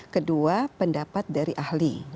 kedua pendapat dari ahli